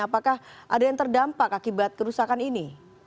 apakah ada yang terdampak akibat kerusakan ini